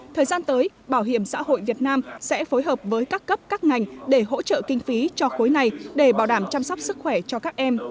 thời gian tới bảo hiểm xã hội việt nam sẽ phối hợp với các cấp các ngành để hỗ trợ kinh phí cho khối này để bảo đảm chăm sóc sức khỏe cho các em